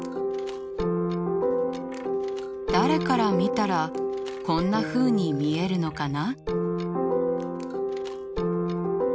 誰から見たらこんなふうに見えるのかな？